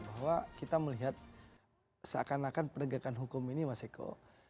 bahwa kita melihat seakan akan penegakan hukum ini mas eko